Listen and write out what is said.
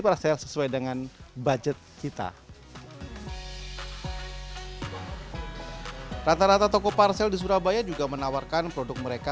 parsel sesuai dengan budget kita rata rata toko parsel di surabaya juga menawarkan produk mereka